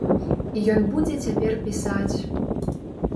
І ён будзе цяпер пісаць.